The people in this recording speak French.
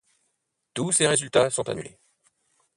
Tous ses résultats sont annulés.